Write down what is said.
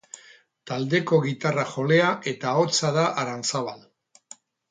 Taldeko gitarra-jolea eta ahotsa da Aranzabal.